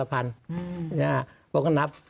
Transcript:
ผมก็นับ